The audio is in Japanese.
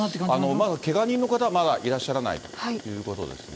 まだけが人の方は、まだいらっしゃらないということですね。